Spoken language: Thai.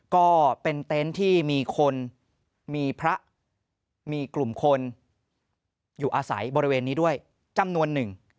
ก็เป็นเต็นต์ที่มีคนมีพระมีกลุ่มคนอยู่อาศัยบริเวณนี้ด้วยจำนวนหนึ่ง